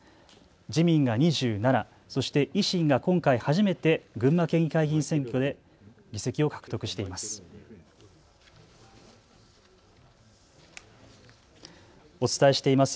自民が２７、そして維新が今回初めて群馬県議会議員選挙で議席を獲得しています。